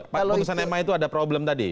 putusan ma itu ada problem tadi